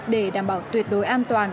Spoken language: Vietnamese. để đảm bảo tuyệt đối an toàn